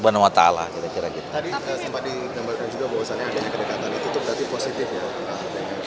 tadi sempat dikambilkan juga bahwa adanya kedekatan itu berarti positif ya